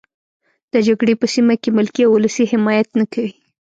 د جګړې په سیمه کې ملکي او ولسي حمایت نه کوي.